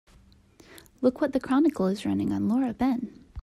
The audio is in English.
Look what the Chronicle is running on Laura Ben.